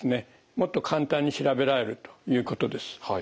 もっと簡単に調べられるということです。